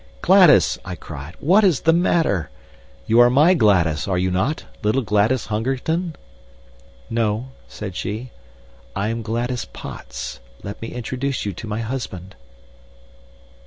"Gladys!" I cried. "What is the matter? You are my Gladys, are you not little Gladys Hungerton?" "No," said she, "I am Gladys Potts. Let me introduce you to my husband."